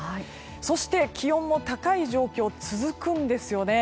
そして、気温も高い状況が続くんですよね。